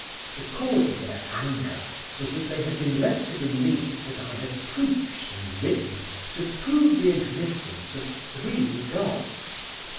The cause of their anger was that they had been led to believe that I had preached and written to prove the existence of three gods.